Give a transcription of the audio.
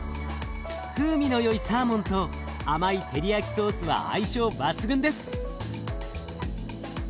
風味のよいサーモンと甘いテリヤキソースは相性抜群です。